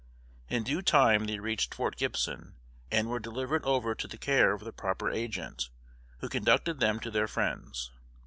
In due time they reached Fort Gibson, and were delivered over to the care of the proper agent, who conducted them to their friends.